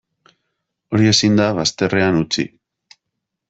Hori ezin da bazterrean utzi.